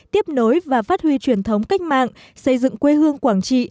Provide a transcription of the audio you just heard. tiếp nối và phát huy truyền thống cách mạng xây dựng quê hương quảng trị